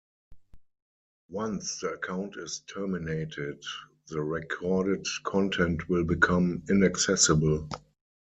Once the account is terminated, the recorded content will become inaccessible.